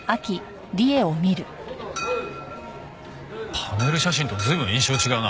パネル写真と随分印象違うな。